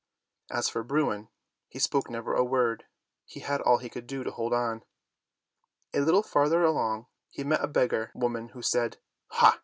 As for Bruin, he spoke never a word. He had all he could do to hold on. A little farther along he met a beggar woman, who said, "Ha!